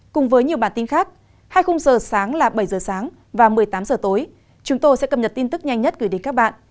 cùng với nhiều bản tin khác hai khung giờ sáng là bảy giờ sáng và một mươi tám h tối chúng tôi sẽ cập nhật tin tức nhanh nhất gửi đến các bạn